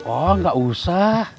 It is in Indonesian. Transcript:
oh gak usah